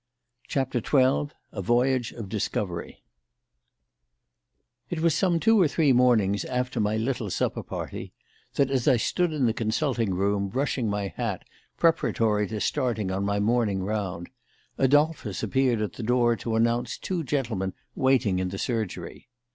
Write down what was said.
CHAPTER XII A VOYAGE OF DISCOVERY It was some two or three mornings after my little supper party that, as I stood in the consulting room brushing my hat preparatory to starting on my morning round, Adolphus appeared at the door to announce two gentlemen waiting in the surgery.